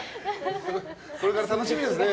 これから楽しみですね